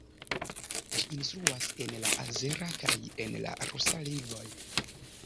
Ĝi instruas en la azera kaj en la rusa lingvoj.